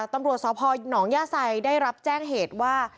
ตำรวจสพหนองย่าไซได้รับแจ้งเหตุว่า